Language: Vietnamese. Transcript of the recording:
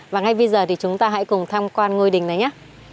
và ngay bây giờ thì chúng ta hãy cùng tham quan ngôi đình này nhé